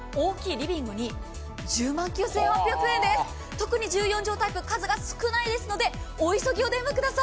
特に１４畳タイプ、数が少ないのでお急ぎお電話ください。